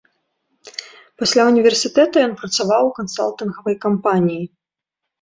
Пасля ўніверсітэта ён працаваў у кансалтынгавай кампаніі.